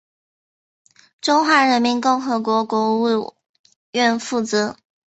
中华人民共和国国务院负责。